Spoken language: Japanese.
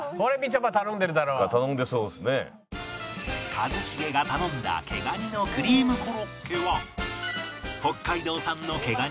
一茂が頼んだ毛蟹のクリームコロッケは